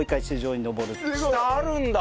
下あるんだ！